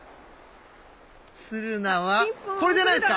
ツルナはこれじゃないですか？